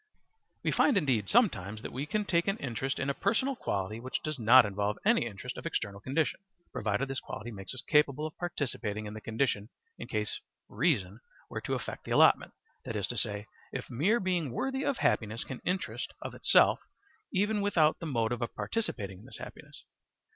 We find indeed sometimes that we can take an interest in a personal quality which does not involve any interest of external condition, provided this quality makes us capable of participating in the condition in case reason were to effect the allotment; that is to say, the mere being worthy of happiness can interest of itself even without the motive of participating in this happiness.